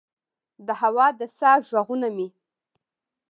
د هوا د سا ه ږغونه مې